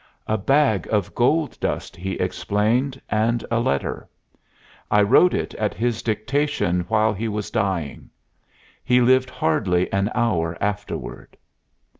"A bag of gold dust," he explained, "and a letter. I wrote it at his dictation while he was dying. He lived hardly an hour afterward."